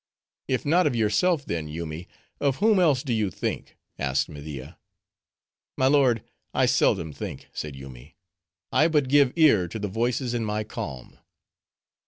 "If not of yourself, then, Yoomy, of whom else do you think?" asked Media. "My lord, I seldom think," said Yoomy, "I but give ear to the voices in my calm."